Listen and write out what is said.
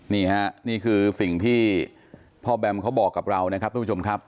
นี่ฮะนี่คือสิ่งที่พ่อแบมเขาบอกกับเรานะครับทุกผู้ชมครับ